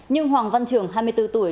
nhưng hoàng văn trường hai mươi bốn tuổi